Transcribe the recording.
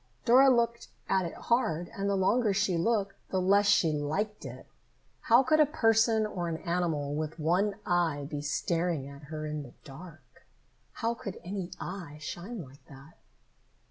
Dora looked at it hard, and the longer she looked, the less she liked it. How could a person or an animal with one eye be staring at her in the dark? How could any eye shine like that?